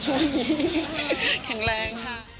อืม